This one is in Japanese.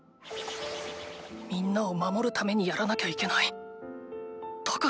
みんなを守るためにやらなきゃいけないだから！